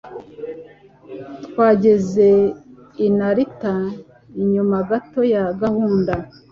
Twageze i Narita inyuma gato ya gahunda.